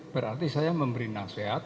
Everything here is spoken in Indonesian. berarti saya memberi nasihat